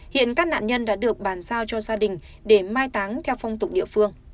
hiện các nạn nhân đã được bàn giao cho gia đình để mai táng theo phong tục địa phương